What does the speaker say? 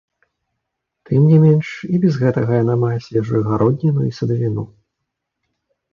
Тым не менш і без гэтага яна мае свежую гародніну і садавіну.